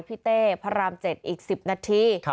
พี่เต้พระรามเจ็ดอีก๑๐นาที